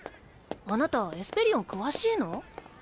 あなたエスペリオン詳しいの？